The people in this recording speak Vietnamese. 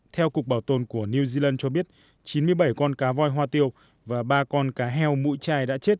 theo cục bảo tồn của new zealand cho biết chín mươi bảy con cá voi hoa tiêu và ba con cá heo mũi chai đã chết